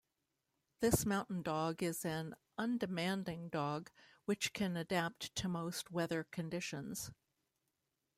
This mountain dog is an undemanding dog, which can adapt to most weather conditions.